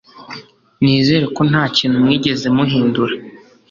nizere ko nta kintu mwigeze muhindura